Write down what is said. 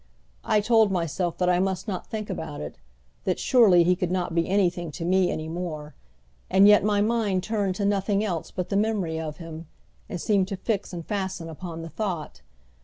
I told myself that I must not think about it, that surely he could not be anything to me any more; and yet my mind turned to nothing else but the memory of him, and seemed to fix and fasten upon the thought.